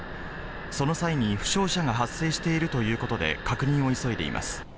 その際に負傷者が発生しているということで確認を急いでいます。